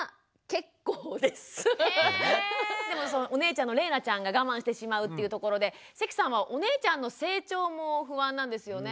お姉ちゃんのれいなちゃんが我慢してしまうっていうところで関さんはお姉ちゃんの成長も不安なんですよね？